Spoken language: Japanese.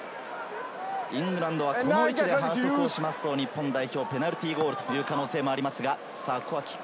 イングランドはこの位置で反則をすると日本代表ペナルティーゴールという可能性もあります。